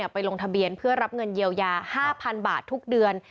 ไปลงทะเบียนเพื่อรับเงินเยียวยา๕๐๐๐บาททุกเดือน